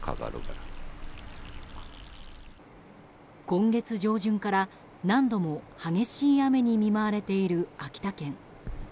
今月上旬から何度も激しい雨に見舞われている秋田県。